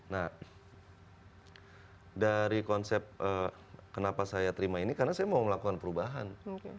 nah dari konsep kenapa saya terima ini karena saya mau melakukan perubahan